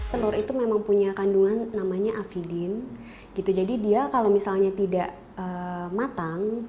telur itu memang punya kandungan namanya avidin gitu jadi dia kalau misalnya tidak matang